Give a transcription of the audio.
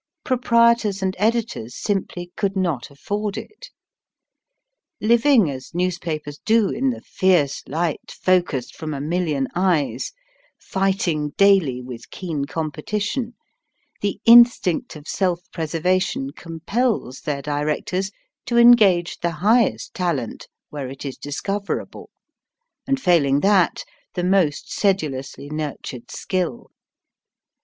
Proprietors and editors simply could not afford it. Living as newspapers do in the fierce light focussed from a million eyes, fighting daily with keen competition, the instinct of self preservation compels their directors to engage the highest talent where it is discoverable, and, failing that, the most sedulously nurtured skill.